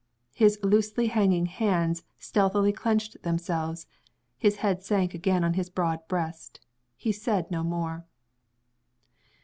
His loosely hanging hands stealthily clenched themselves. His head sank again on his broad breast. He said no more.